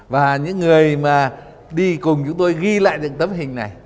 và những người mà đi cùng chúng tôi ghi lại những tấm hình này